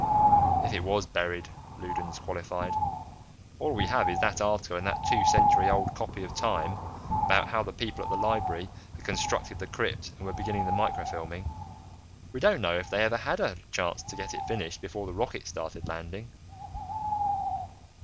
"If it was buried," Loudons qualified. "All we have is that article in that two century old copy of Time about how the people at the library had constructed the crypt and were beginning the microfilming. We don't know if they ever had a chance to get it finished, before the rockets started landing."